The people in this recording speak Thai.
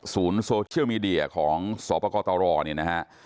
ศูนย์โซเชียลมีเดียของสปตรนี่นะฮะ